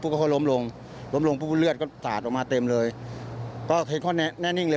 ก็เขาล้มลงล้มลงปุ๊บเลือดก็สาดออกมาเต็มเลยก็เห็นเขาแน่แน่นิ่งเลย